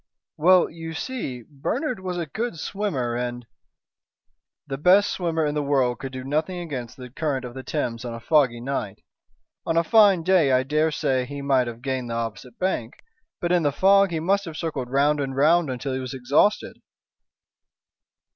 "Well, you see, Bernard was a good swimmer, and " "The best swimmer in the world could do nothing against the current of the Thames on a foggy night. On a fine day I dare say he might have gained the opposite bank, but in the fog he must have circled round and round until he was exhausted."